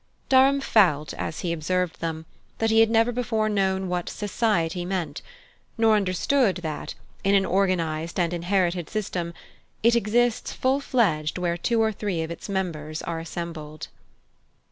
Durham felt, as he observed them, that he had never before known what "society" meant; nor understood that, in an organized and inherited system, it exists full fledged where two or three of its members are assembled.